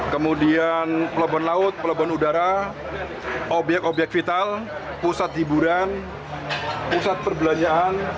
kemudian pelabuhan laut pelabuhan udara obyek obyek vital pusat hiburan pusat perbelanjaan